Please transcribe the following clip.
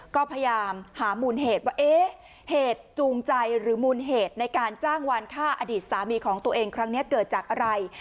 ก็พยายามหามูลเหตุว่าเอ๊ะเหตุจูงใจหรือมูลเหตุในการจ้างวานฆ่าอดีตสามีของตัวเองครั้งนี้เกิดจากอะไร